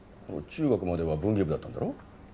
中学までは文芸部だったんだろ？